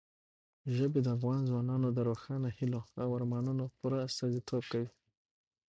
ژبې د افغان ځوانانو د روښانه هیلو او ارمانونو پوره استازیتوب کوي.